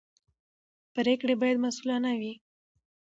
پرېکړې باید مسوولانه وي